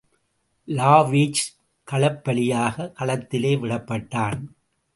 Savage களப்பலியாக களத்திலே விடப்பட்டான்.